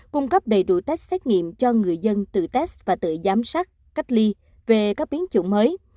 cung cấp đầy đủ test xét nghiệm cho người dân tự test và tự giám sát cách ly về các biến chủng mới